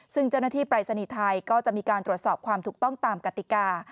ซึ่งเจ้าหน้าที่ปรายศนีย์ไทยก็จะมีการตรวจสอบความถูกต้องตามกติกา